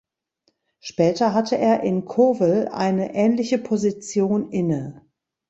Später hatte er in Kowel eine ähnliche Position inne.